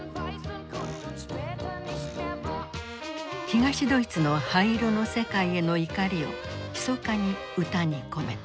東ドイツの灰色の世界への怒りをひそかに歌に込めた。